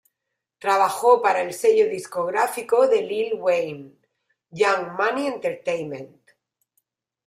Trabajó para el sello discográfico de Lil Wayne, Young Money Entertainment.